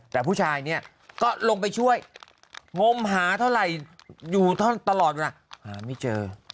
แต่ผู้ชายเนี่ยก็ลงไปช่วยงมหาเท่าไหร่อยู่ตลอดเวลาหาไม่เจอ